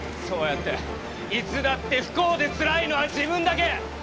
そうやっていつだって不幸でつらいのは自分だけ！